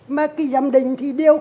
mà khi giám định thì điều